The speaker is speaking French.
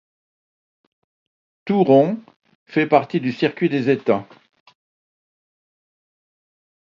Thouron fait partie du Circuit des étangs.